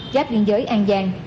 giáp liên giới an giang